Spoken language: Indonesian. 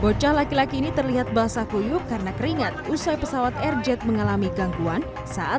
bocah laki laki ini terlihat basah kuyuk karena keringat usai pesawat rz mengalami gangguan saat